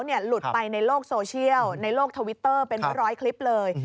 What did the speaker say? หลุดไปในโลกโซเชียลในโลกทวิตเตอร์เป็นร้อยคลิปเลย